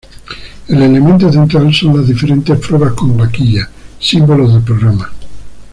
El elemento central son las diferentes pruebas con vaquillas, símbolo del programa.